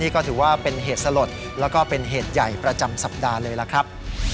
ก็ถือว่าเป็นเหตุสลดแล้วก็เป็นเหตุใหญ่ประจำสัปดาห์เลยล่ะครับ